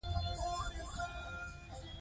کارېز په ولکه کې راغی.